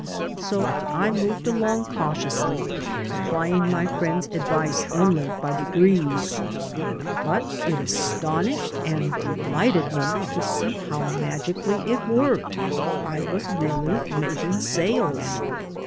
So I moved along cautiously, applying my friend's advice only by degrees. But it astonished and de lighted me to see how magically it worked. I was really making sales.